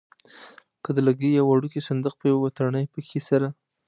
لکه د لرګي یو وړوکی صندوق په یوه تڼۍ پکې سره.